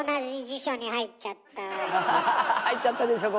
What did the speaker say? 入っちゃったでしょ